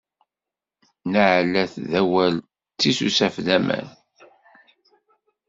Nneɛlat d awal, tisusaf d aman.